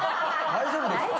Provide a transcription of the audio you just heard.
大丈夫ですか？